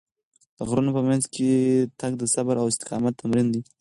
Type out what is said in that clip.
د غرونو په منځ کې تګ د صبر او استقامت تمرین دی.